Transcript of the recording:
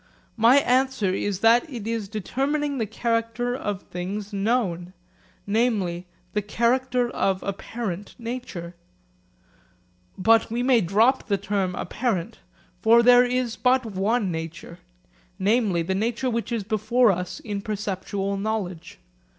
My answer is that it is determining the character of things known, namely the character of apparent nature. But we may drop the term 'apparent'; for there is but one nature, namely the nature which is before us in perceptual knowledge.